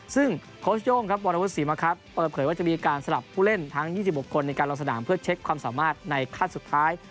ซึ่งโค้ชโย่งครับวรวุฒิศรีมะครับเปิดเผยว่าจะมีการสลับผู้เล่นทั้ง๒๖คนในการลงสนามเพื่อเช็คความสามารถในขั้นสุดท้าย